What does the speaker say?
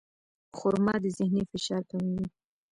خرما د ذهني فشار کموي.